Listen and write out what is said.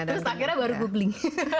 terus akhirnya baru googling